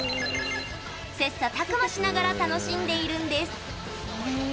切さたく磨しながら楽しんでいるんです。